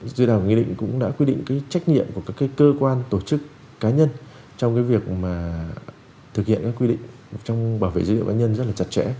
dự đoàn nghị định cũng đã quy định trách nhiệm của các cơ quan tổ chức cá nhân trong việc thực hiện các quy định trong bảo vệ dữ liệu cá nhân rất là chặt chẽ